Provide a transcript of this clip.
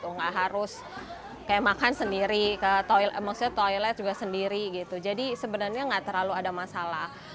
nggak harus makan sendiri toilet juga sendiri jadi sebenarnya nggak terlalu ada masalah